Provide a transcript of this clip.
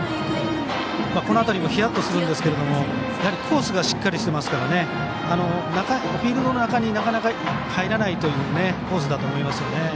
この当たりもヒヤッとしますけどコースがしっかりしていますからフィールドの中になかなか、入らないというコースだと思います。